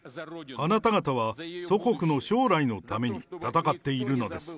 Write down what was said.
あなた方は祖国の将来のために戦っているのです。